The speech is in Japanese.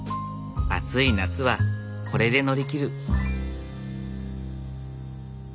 暑い夏はこれで乗り切る。